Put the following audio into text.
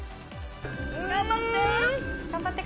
頑張って！